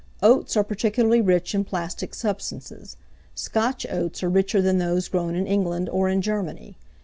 Oats are particularly rich in plastic substances; Scotch oats are richer than those grown in England or in Germany.